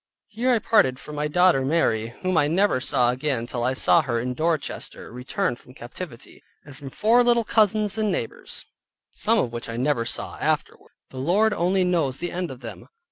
Here I parted from my daughter Mary (whom I never saw again till I saw her in Dorchester, returned from captivity), and from four little cousins and neighbors, some of which I never saw afterward: the Lord only knows the end of them.